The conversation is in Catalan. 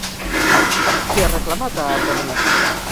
Què ha reclamat a Ardanuy?